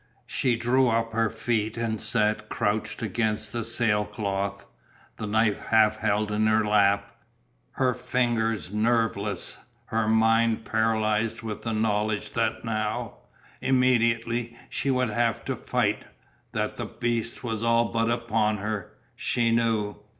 She drew up her feet and sat crouched against the sailcloth, the knife half held in her lap, her fingers nerveless, her mind paralysed with the knowledge that now, immediately, she would have to fight, that the Beast was all but upon her. She knew.